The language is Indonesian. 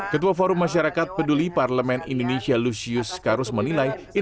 ketua forum masyarakat peduli parlemen indonesia lusius karus menilai